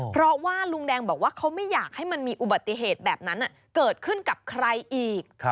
เพราะว่าลุงแดงบอกว่าเขาไม่อยากให้มันมีอุบัติเหตุแบบนั้นเกิดขึ้นกับใครอีก